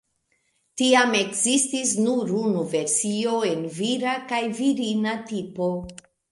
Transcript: Tiam ekzistis nur unu versio en vira kaj virina tipo.